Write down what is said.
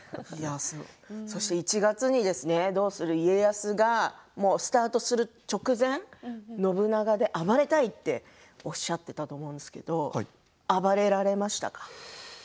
そして１月に「どうする家康」がスタートする直前信長で暴れたいとおっしゃっていたと思うんですけど暴れられましたか？